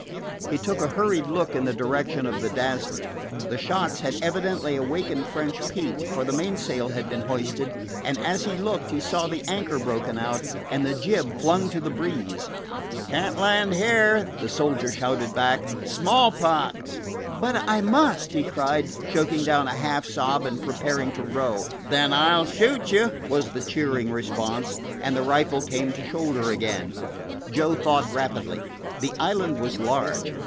He took a hurried look in the direction of the Dazzler. The shots had evidently awakened French Pete, for the mainsail had been hoisted, and as he looked he saw the anchor broken out and the jib flung to the breeze. "Can't land here!" the soldier shouted back. "Smallpox!" "But I must!" he cried, choking down a half sob and preparing to row. "Then I 'll shoot you," was the cheering response, and the rifle came to shoulder again. Joe thought rapidly. The island was large.